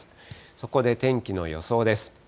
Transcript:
そこで天気の予想です。